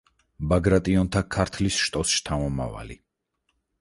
ბაგრატიონთა ქართლის შტოს შთამომავალი.